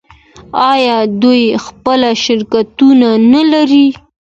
آیا دوی خپل شرکتونه نلري؟